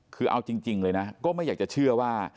คือเอาจริงเลยนะก็ไม่อยากจะเชื่อว่า